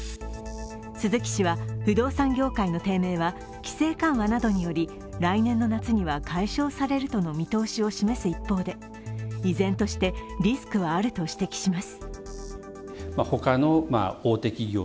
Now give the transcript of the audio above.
鈴木氏は、不動産業界の低迷は規制緩和などにより来年の夏には解消されるとの見通しを示す一方で依然としてリスクはあると指摘します。